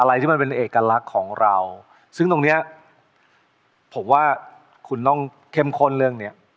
ที่มันเป็นเอกลักษณ์ของเราซึ่งตรงเนี้ยผมว่าคุณต้องเข้มข้นเรื่องเนี้ย